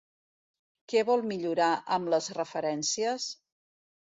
Què vol millorar amb les referències?